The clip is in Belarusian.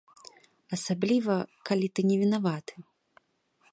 Асабліва, калі ты не вінаваты.